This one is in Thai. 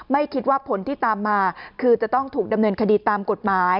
ไม่คิดว่าผลที่ตามมาคือจะต้องถูกดำเนินคดีตามกฎหมาย